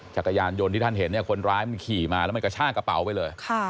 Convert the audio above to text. จักรยานยนต์ที่ท่านเห็นเนี่ยคนร้ายมันขี่มาแล้วมันกระชากระเป๋าไปเลย